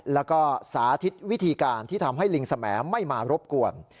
แล้วก็สาธิตวิธีการที่ทำให้ลิงสมัยไม่มารบกวน